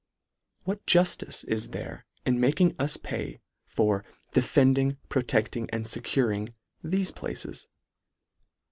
What juftice is there in making us pay for " defending, protecting and fecuring" thefe places